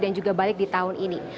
dan juga balik di tahun ini